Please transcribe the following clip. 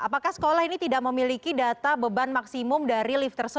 apakah sekolah ini tidak memiliki data beban maksimum dari lift